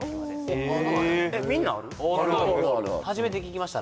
えっみんなある？